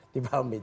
di bawah meja